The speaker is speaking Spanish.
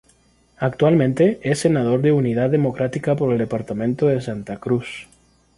Actualmente, es Senador de Unidad Demócrata por el Departamento de Santa Cruz.